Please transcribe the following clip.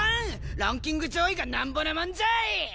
ランキング上位がなんぼのもんじゃい！